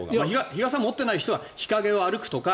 日傘を持ってない人は日陰を歩くとか